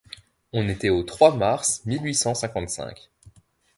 On était au trois mars mille huit cent cinquante-cinq.